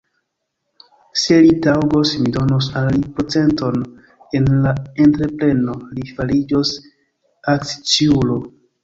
Se li taŭgos, mi donos al li procenton en la entrepreno; li fariĝos akciulo.